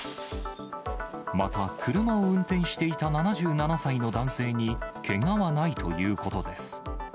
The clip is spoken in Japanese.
また車を運転していた７７歳の男性に、けがはないということです。